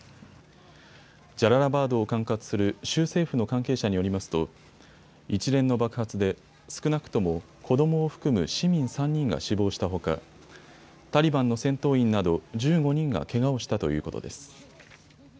ジャララバードを管轄する州政府の関係者によりますと一連の爆発で少なくとも子どもを含む市民３人が死亡したほかタリバンの戦闘員など１５人がけがをしたということです。